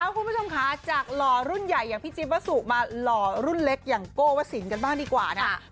คุณผู้ชมค่ะจากหล่อรุ่นใหญ่อย่างพี่จิ๊บวัสสุมาหล่อรุ่นเล็กอย่างโก้วสินกันบ้างดีกว่านะ